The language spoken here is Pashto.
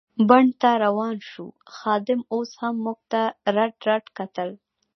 بڼ ته روان شوو، خادم اوس هم موږ ته رډ رډ کتل.